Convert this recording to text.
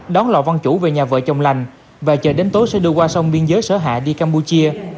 đón lò văn chủ về nhà vợ chồng lành và chờ đến tối sẽ đưa qua sông biên giới sở hạ đi campuchia